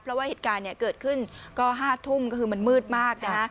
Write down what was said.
เพราะว่าเหตุการณ์เกิดขึ้นก็๕ทุ่มก็คือมันมืดมากนะฮะ